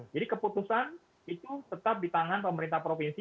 jadi keputusan itu tetap di tangan pemerintah provinsi